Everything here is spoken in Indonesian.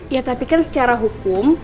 ya tapi kan secara hukum